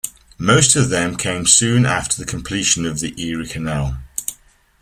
Most of them came soon after of the completion of the Erie Canal.